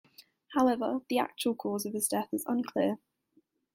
However, the actual cause of his death is unclear.